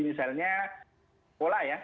misalnya sekolah ya